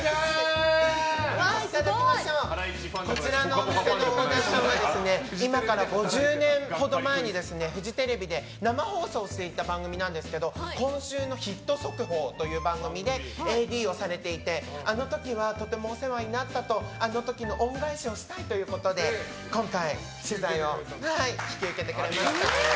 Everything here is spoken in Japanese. こちらの店のオーナーさんは今から５０年ほど前にフジテレビで生放送していた番組「今週のヒット速報」という番組でＡＤをされていてあの時はとてもお世話になったとあの時の恩返しをしたいということで今回、取材を引き受けてくれました。